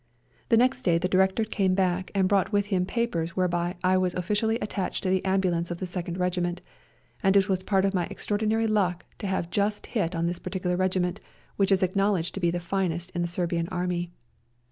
The next day the Director came back, and brought with him papers whereby I was officially attached to the ambulance of the Second Regiment ; and it was part of my extraordinary luck to have just hit on this particular regiment, which is ac knowledged to be the finest in the Serbian Army.